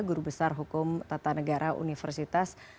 guru besar hukum tata negara universitas